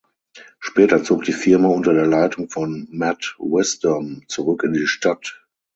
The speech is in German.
Später zog die Firma unter der Leitung von Matt Wisdom zurück in die Stadt.